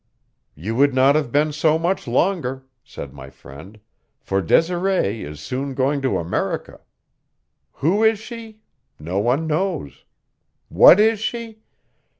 "You would not have been so much longer," said my friend, "for Desiree is soon going to America. Who is she? No one knows. What is she?